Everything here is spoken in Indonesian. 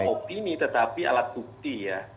opini tetapi alat bukti ya